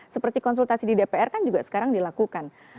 seperti konsultasi di dpr kan juga sekarang dilakukan